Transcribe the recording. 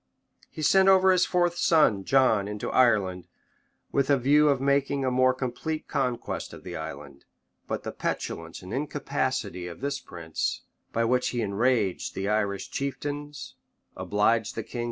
He sent over his fourth son, John, into Ireland, with a view of making a more complete conquest of the island; but the petulance and incapacity of this prince, by which he enraged the Irish chieftains, obliged the king soon after to recall him.